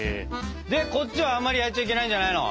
でこっちはあんまり焼いちゃいけないんじゃないの？